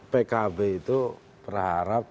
pkb itu berharap